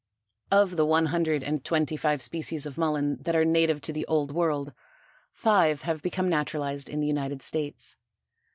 Of the one hundred and twenty five species of Mullen that are native to the old world, five have become naturalized in the United States.